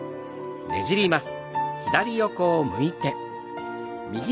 ねじります。